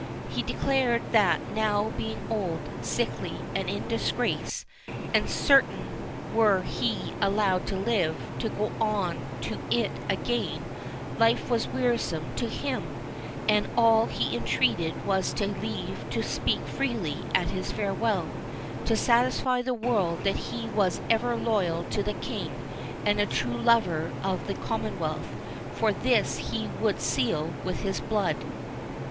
He declared that now being old, sickly, and in disgrace, and "certain were he allowed to live, to go to it again, life was wearisome to him, and all he entreated was to have leave to speak freely at his farewell, to satisfy the world that he was ever loyal to the king, and a true lover of the commonwealth; for this he would seal with his blood."